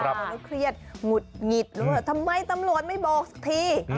เราก็เครียดหงุดหงิดทำไมตำรวจไม่บอกสักที